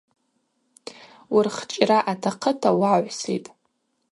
Уырхчӏра атахъыта уагӏвситӏ.